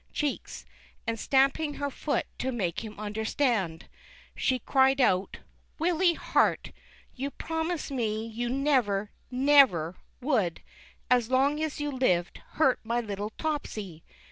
cheeks, and stamping her foot to make him understand, she cried out, " Willy Hart, you promised me you never, never would, as long as you lived, hurt my little Topsy!